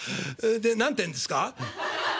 で何てえんですか？」。